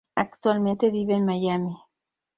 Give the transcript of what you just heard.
Actualmente vive en Miami.